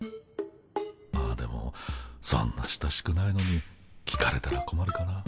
ああでもそんな親しくないのに聞かれたらこまるかな。